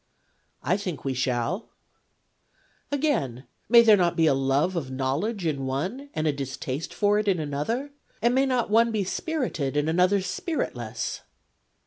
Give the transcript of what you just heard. ' I think we shall/ 1 Again, may there not be a love of knowledge in one, and a distaste for it in another ? And may not one be spirited, and another spiritless